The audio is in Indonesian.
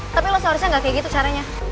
tapi lo seharusnya nggak kayak gitu caranya